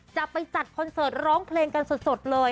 จัดไปจัดคอนเสิร์ตร้องเพลงกันสดเลย